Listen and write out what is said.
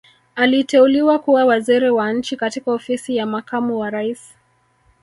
Aliteuliwa kuwa Waziri wa Nchi katika Ofisi ya Makamu wa Rais